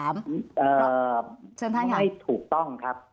ไม่ถูกต้องครับ